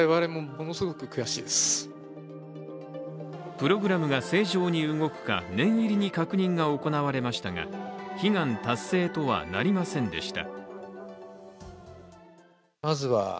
プログラムが正常に動くか念入りに確認が行われましたが、悲願達成とはなりませんでした。